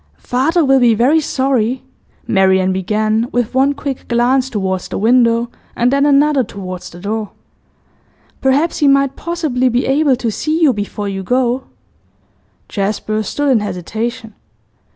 'Father will be very sorry,' Marian began, with one quick glance towards the window and then another towards the door. 'Perhaps he might possibly be able to see you before you go?' Jasper stood in hesitation.